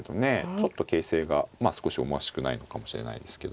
ちょっと形勢がまあ少し思わしくないのかもしれないですけど。